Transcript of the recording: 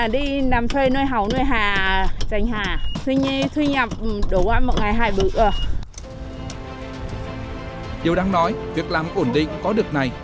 điều đáng nói việc làm ổn định có được này